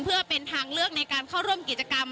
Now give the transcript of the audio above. เพื่อเป็นทางเลือกในการเข้าร่วมกิจกรรม